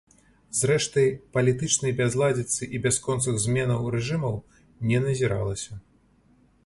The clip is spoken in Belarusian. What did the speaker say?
Зрэшты, палітычнай бязладзіцы і бясконцых зменаў рэжымаў не назіралася.